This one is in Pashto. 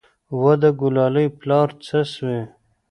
وه د ګلالي پلاره څه سوې.